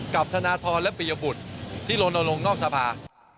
ธนทรและปิยบุตรที่ลนลงนอกสภา